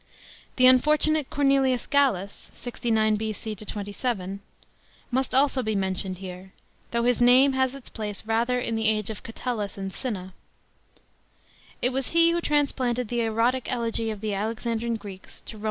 The unfortunate CORNELIUS UALLUS (69 B.C. 27) must also be mentioned here, though his name has its place rather hi the age of Catullus and Cinna. It was he who transplanted the erotic elegy of the Alexandrine Greeks to Roman * ^Eneid, i.